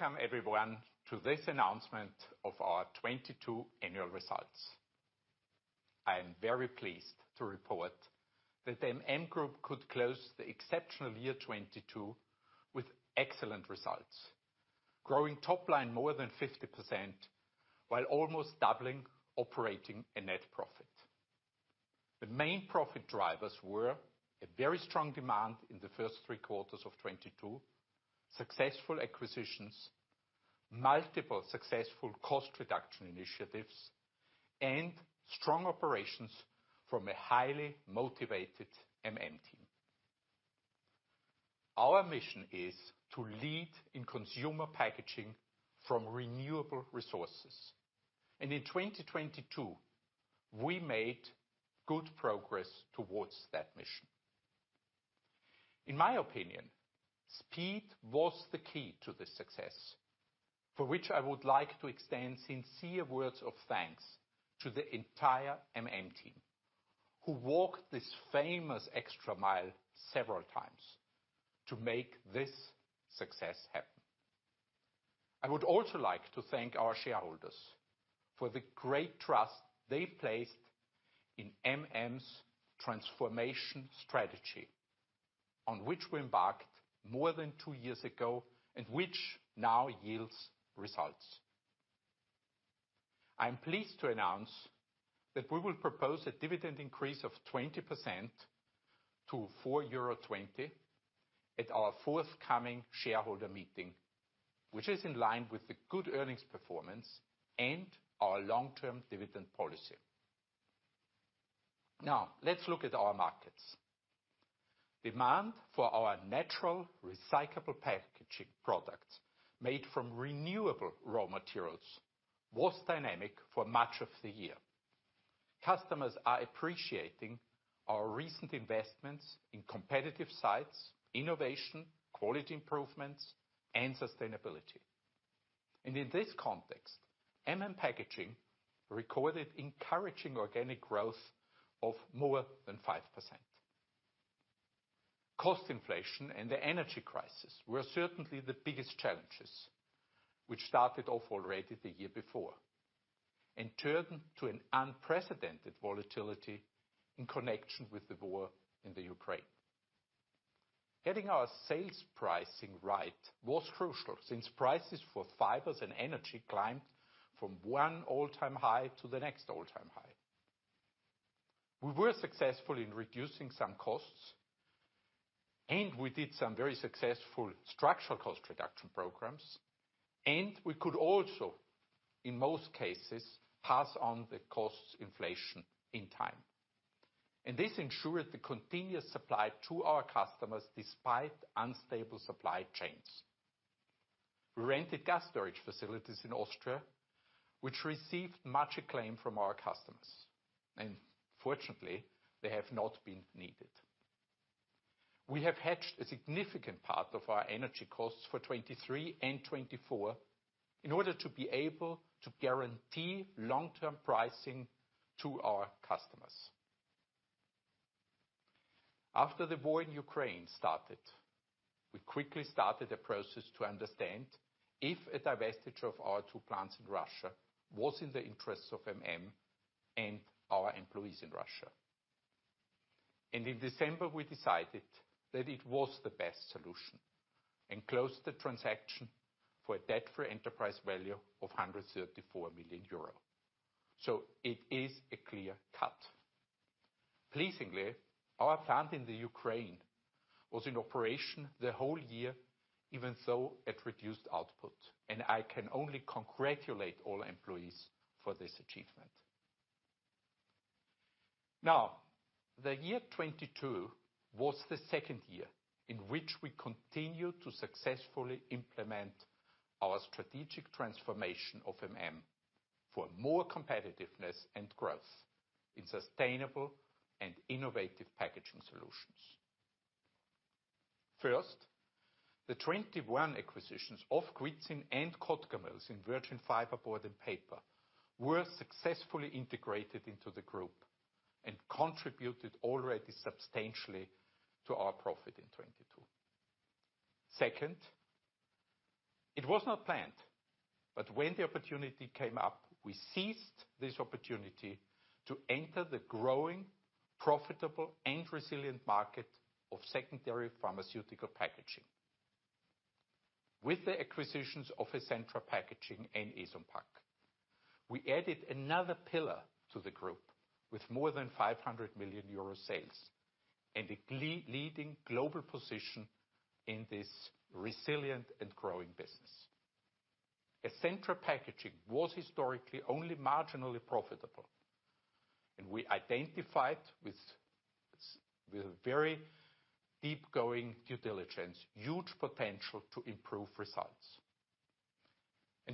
Welcome everyone to this announcement of our 2022 annual results. I am very pleased to report that the MM Group could close the exceptional year 2022 with excellent results, growing top line more than 50% while almost doubling operating a net profit. The main profit drivers were a very strong demand in the first three quarters of 2022, successful acquisitions, multiple successful cost reduction initiatives, and strong operations from a highly motivated MM team. Our mission is to lead in consumer packaging from renewable resources. In 2022, we made good progress towards that mission. In my opinion, speed was the key to this success, for which I would like to extend sincere words of thanks to the entire MM team, who walked this famous extra mile several times to make this success happen. I would also like to thank our shareholders for the great trust they placed in MM's transformation strategy, on which we embarked more than two years ago and which now yields results. I am pleased to announce that we will propose a dividend increase of 20% to 4.20 euro at our forthcoming shareholder meeting, which is in line with the good earnings performance and our long-term dividend policy. Now, let's look at our markets. Demand for our natural recyclable packaging products made from renewable raw materials was dynamic for much of the year. Customers are appreciating our recent investments in competitive sites, innovation, quality improvements, and sustainability. In this context, MM Packaging recorded encouraging organic growth of more than 5%. Cost inflation and the energy crisis were certainly the biggest challenges, which started off already the year before and turned to an unprecedented volatility in connection with the war in Ukraine. Getting our sales pricing right was crucial since prices for fibers and energy climbed from one all-time high to the next all-time high. We were successful in reducing some costs, and we did some very successful structural cost reduction programs, and we could also, in most cases, pass on the cost inflation in time. This ensured the continuous supply to our customers despite unstable supply chains. We rented gas storage facilities in Austria, which received much acclaim from our customers, and fortunately, they have not been needed. We have hedged a significant part of our energy costs for 2023 and 2024 in order to be able to guarantee long-term pricing to our customers. After the war in Ukraine started, we quickly started a process to understand if a divestiture of our two plants in Russia was in the interests of MM Group and our employees in Russia. In December, we decided that it was the best solution and closed the transaction for a debt-free enterprise value of 134 million euros. It is a clear cut. Pleasingly, our plant in Ukraine was in operation the whole year, even so at reduced output, and I can only congratulate all employees for this achievement. The year 2022 was the second year in which we continued to successfully implement our strategic transformation of MM Group for more competitiveness and growth in sustainable and innovative packaging solutions. The 2021 acquisitions of Kwidzyn and Kotkamills in Virgin Fiberboard and Paper were successfully integrated into the MM Group and contributed already substantially to our profit in 2022. Second, it was not planned, but when the opportunity came up, we seized this opportunity to enter the growing, profitable, and resilient market of secondary pharmaceutical packaging. With the acquisitions of Essentra Packaging and Eson Pac, we added another pillar to the group with more than 500 million euro sales and a leading global position in this resilient and growing business. Essentra Packaging was historically only marginally profitable, and we identified with very deep-going due diligence, huge potential to improve results.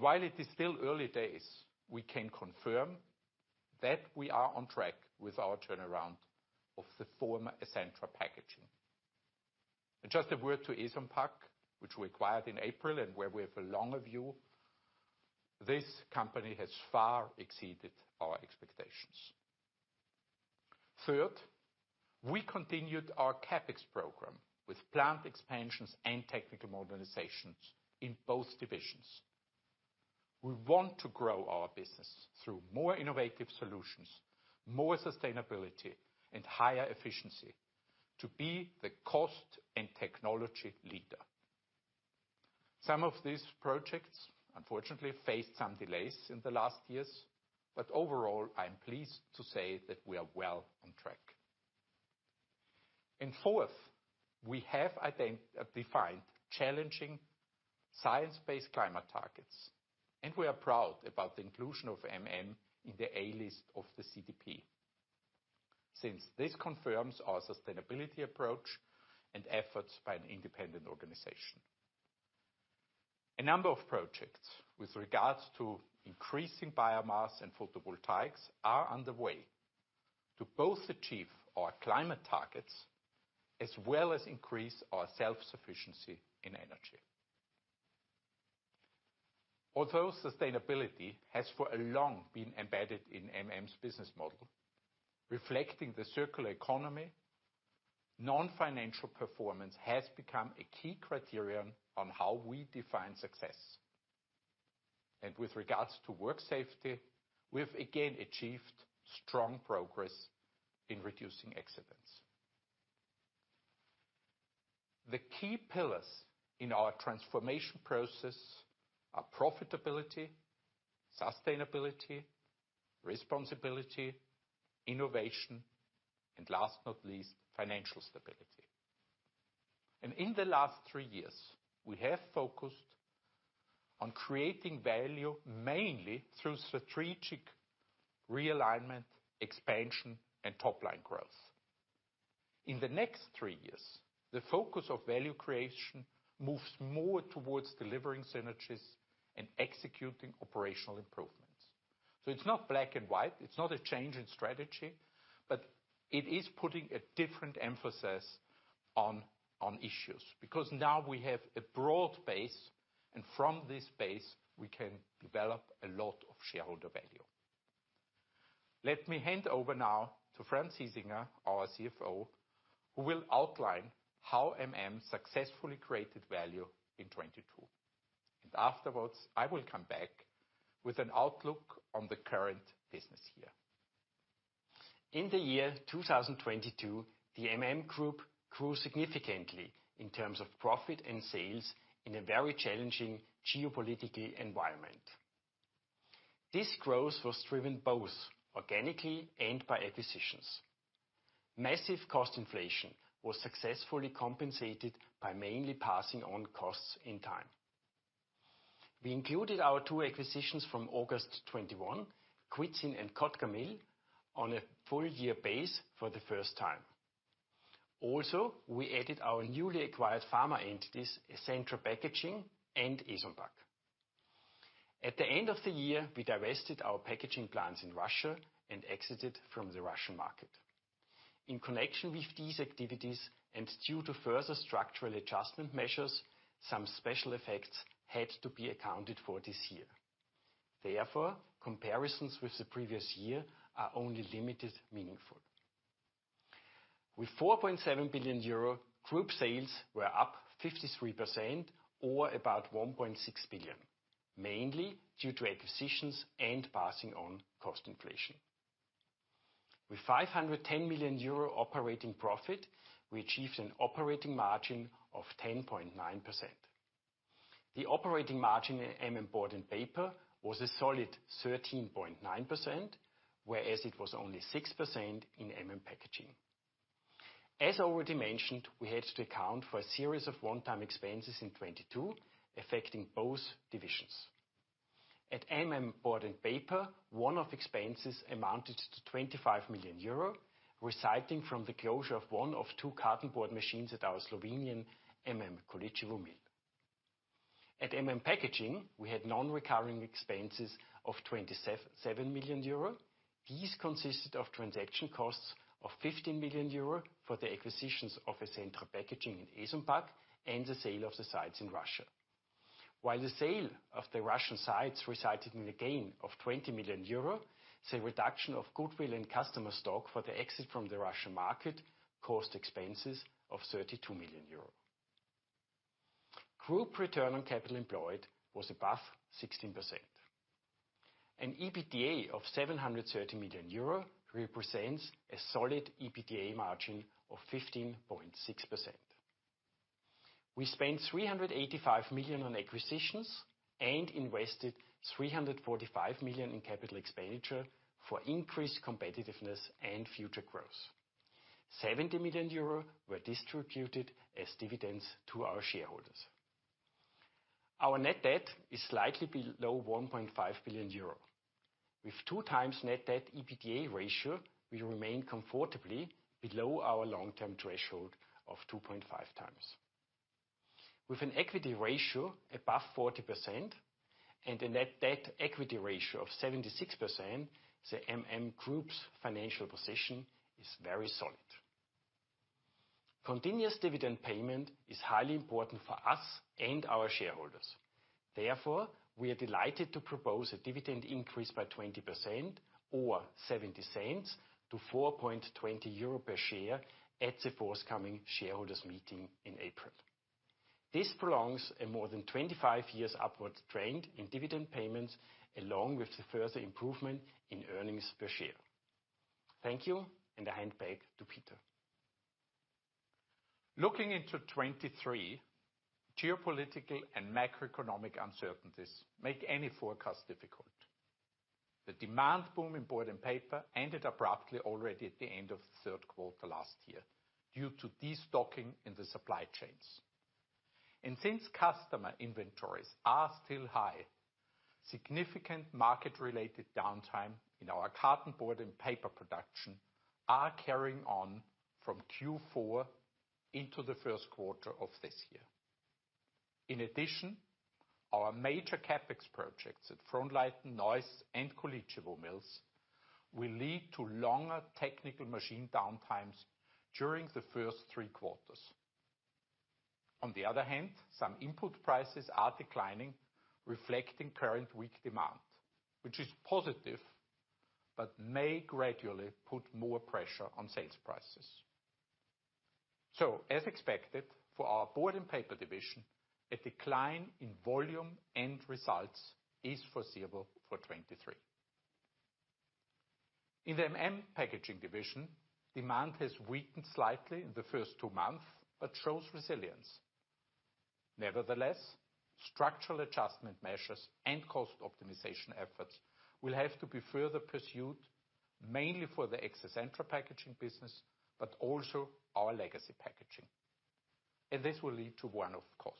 While it is still early days, we can confirm that we are on track with our turnaround of the former Essentra Packaging. Just a word to Eson Pac, which we acquired in April and where we have a longer view, this company has far exceeded our expectations. Third, we continued our CapEx program with plant expansions and technical modernizations in both divisions. We want to grow our business through more innovative solutions, more sustainability, and higher efficiency to be the cost and technology leader. Some of these projects unfortunately faced some delays in the last years, but overall, I'm pleased to say that we are well on track. Fourth, we have defined challenging science-based climate targets, and we are proud about the inclusion of MM in the A list of the CDP, since this confirms our sustainability approach and efforts by an independent organization. A number of projects with regards to increasing biomass and photovoltaics are underway to both achieve our climate targets, as well as increase our self-sufficiency in energy. Although sustainability has for a long been embedded in MM's business model, reflecting the circular economy, non-financial performance has become a key criterion on how we define success. With regards to work safety, we've again achieved strong progress in reducing accidents. The key pillars in our transformation process are profitability, sustainability, responsibility, innovation, and last but not least, financial stability. In the last three years, we have focused on creating value mainly through strategic realignment, expansion, and top-line growth. In the next three years, the focus of value creation moves more towards delivering synergies and executing operational improvements. It's not black and white, it's not a change in strategy, but it is putting a different emphasis on issues, because now we have a broad base, and from this base we can develop a lot of shareholder value. Let me hand over now to Franz Hiesinger, our CFO, who will outline how MM successfully created value in 2022. Afterwards, I will come back with an outlook on the current business year. In the year 2022, the MM Group grew significantly in terms of profit and sales in a very challenging geopolitical environment. This growth was driven both organically and by acquisitions. Massive cost inflation was successfully compensated by mainly passing on costs in time. We included our two acquisitions from August 2021, Kwidzyn and Kotkamills, on a full year base for the first time. We added our newly acquired pharma entities, Essentra Packaging and Eson Pac. At the end of the year, we divested our packaging plants in Russia and exited from the Russian market. In connection with these activities, and due to further structural adjustment measures, some special effects had to be accounted for this year. Comparisons with the previous year are only limited meaningful. With 4.7 billion euro, group sales were up 53% or about 1.6 billion, mainly due to acquisitions and passing on cost inflation. With 510 million euro operating profit, we achieved an operating margin of 10.9%. The operating margin at MM Board & Paper was a solid 13.9%, whereas it was only 6% in MM Packaging. As already mentioned, we had to account for a series of one-time expenses in 2022, affecting both divisions. At MM Board & Paper, one-off expenses amounted to 25 million euro, resulting from the closure of one of two carton board machines at our Slovenian MM Količevo mill. At MM Packaging, we had non-recurring expenses of 27 million euro. These consisted of transaction costs of 15 million euro for the acquisitions of Essentra Packaging and Eson Pac, and the sale of the sites in Russia. While the sale of the Russian sites resulted in a gain of 20 million euro, the reduction of goodwill in customer stock for the exit from the Russian market cost expenses of 32 million euros. Group return on capital employed was above 16%. An EBITDA of 730 million euro represents a solid EBITDA margin of 15.6%. We spent 385 million on acquisitions and invested 345 million in capital expenditure for increased competitiveness and future growth. 70 million euro were distributed as dividends to our shareholders. Our net debt is slightly below 1.5 billion euro. With two times net debt EBITDA ratio, we remain comfortably below our long-term threshold of 2.5 times. With an equity ratio above 40% and a net debt equity ratio of 76%, the MM Group's financial position is very solid. Continuous dividend payment is highly important for us and our shareholders. We are delighted to propose a dividend increase by 20% or 0.70 to 4.20 euro per share at the forthcoming shareholders meeting in April. This prolongs a more than 25 years upward trend in dividend payments, along with the further improvement in earnings per share. Thank you, I hand back to Peter. Looking into 2023, geopolitical and macroeconomic uncertainties make any forecast difficult. The demand boom in board and paper ended abruptly already at the end of the Q3 last year due to de-stocking in the supply chains. Since customer inventories are still high, significant market-related downtime in our carton board and paper production are carrying on from Q4 into the Q1 of this year. In addition, our major CapEx projects at Frohnleiten, Neuss, and Količevo mills will lead to longer technical machine downtimes during the first three quarters. On the other hand, some input prices are declining, reflecting current weak demand, which is positive, but may gradually put more pressure on sales prices. As expected, for our board and paper division, a decline in volume end results is foreseeable for 2023. In the MM Packaging division, demand has weakened slightly in the first two months but shows resilience. Nevertheless, structural adjustment measures and cost optimization efforts will have to be further pursued, mainly for the Essentra Packaging business, but also our legacy packaging. This will lead to one-off costs.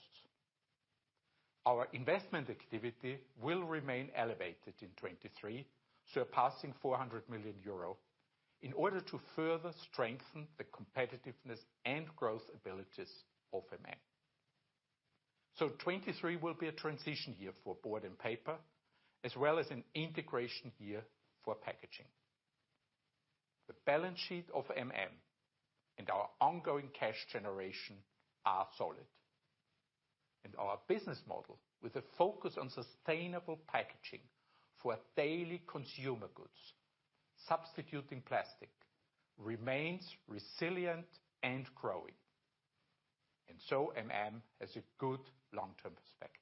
Our investment activity will remain elevated in 2023, surpassing 400 million euro, in order to further strengthen the competitiveness and growth abilities of MM. 2023 will be a transition year for board and paper, as well as an integration year for packaging. The balance sheet of MM and our ongoing cash generation are solid. Our business model, with a focus on sustainable packaging for daily consumer goods, substituting plastic, remains resilient and growing. MM has a good long-term perspective. Thank you